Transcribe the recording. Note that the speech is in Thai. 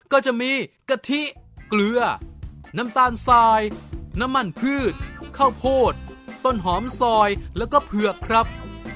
ก็จะมีกะทิเกลือน้ำตาลทรายน้ำมันพืชข้าวโพดต้นหอมซอยแล้วก็เผือกครับ